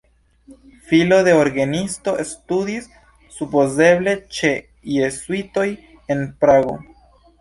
Filo de orgenisto, studis supozeble ĉe jezuitoj en Prago.